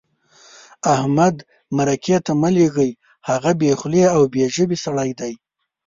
احمد مرکې ته مه لېږئ؛ هغه بې خولې او بې ژبې سړی دی.